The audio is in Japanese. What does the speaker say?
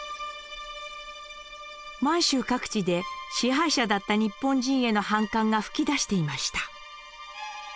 満州各地で支配者だった日本人への反感が噴き出していました。